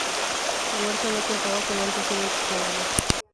Huerta no contaba con antecedentes penales.